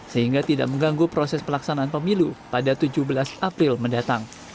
sehingga tidak mengganggu proses pelaksanaan pemilu pada tujuh belas april mendatang